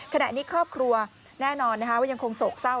ขณะนี้ครอบครัวแน่นอนว่ายังคงโศกเศร้า